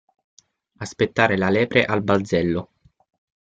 Aspettare la lepre al balzello.